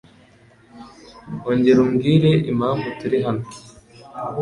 Ongera umbwire impamvu turi hano .